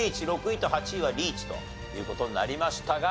６位と８位はリーチという事になりましたが。